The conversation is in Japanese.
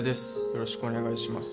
よろしくお願いします